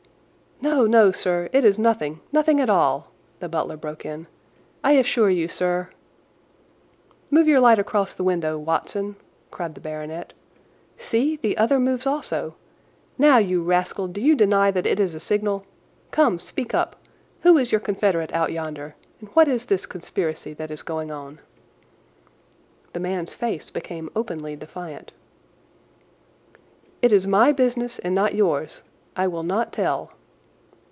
"No, no, sir, it is nothing—nothing at all!" the butler broke in; "I assure you, sir—" "Move your light across the window, Watson!" cried the baronet. "See, the other moves also! Now, you rascal, do you deny that it is a signal? Come, speak up! Who is your confederate out yonder, and what is this conspiracy that is going on?" The man's face became openly defiant. "It is my business, and not yours. I will not tell."